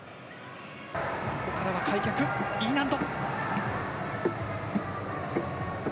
ここからは開脚、Ｅ難度。